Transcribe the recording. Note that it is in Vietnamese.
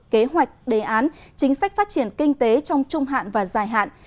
kế hoạch đề án chính sách phát triển kinh tế trong trung hạn và dài hạn